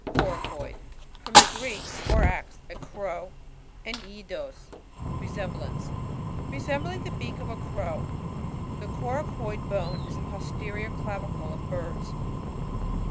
CoRACoin. — From the Greek, korax^ a crow, and eldos^ lesemblance. Resembling the beak of a crow. The coracoid bone.is the posterior clavicle of birds.